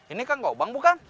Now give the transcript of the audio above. ini kan kobang bukan